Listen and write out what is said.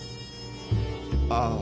ああ。